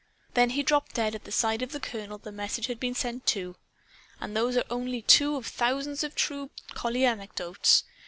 Then he dropped dead at the side of the Colonel the message had been sent to. And those are only two of thousands of true collie anecdotes.